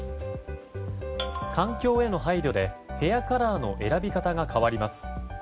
環境への配慮でヘアカラーの選び方が変わります。